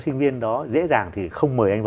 sinh viên đó dễ dàng thì không mời anh